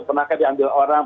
pernahkah diambil orang